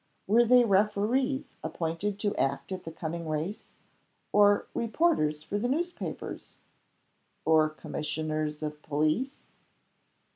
Were they referees appointed to act at the coming race? or reporters for the newspapers? or commissioners of police?